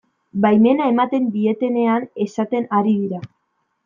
Baimena ematen dietenean esaten ari dira.